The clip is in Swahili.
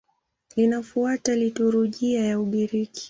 Linafuata liturujia ya Ugiriki.